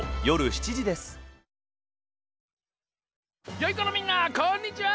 よいこのみんなこんにちは！